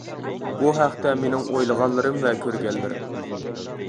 بۇ ھەقتە مىنىڭ ئويلىغانلىرىم ۋە كۆرگەنلىرىم.